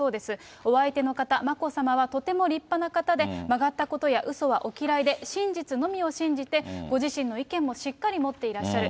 お相手の方、眞子さまはとても立派な方で、曲がったことやうそはお嫌いで、真実のみを信じて、ご自身の意見もしっかり持っていらっしゃる。